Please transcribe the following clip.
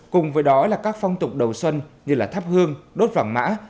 cùng với đó là các phong tục đầu xuân như là thắp hương đốt vàng mã